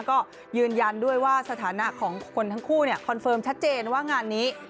ก็ยืนยันด้วยว่าสถานะของคนทั้งคู่คอนเฟิร์มชัดเจนว่างานนี้